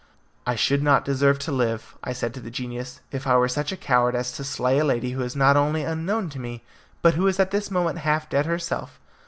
"I should not deserve to live," I said to the genius, "if I were such a coward as to slay a lady who is not only unknown to me, but who is at this moment half dead herself.